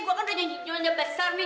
gue kan udah nyonya besar nih